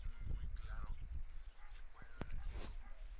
Así mismo reveló que el grupo trabajaría con un nuevo productor.